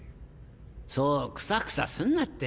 そうクサクサすんなって。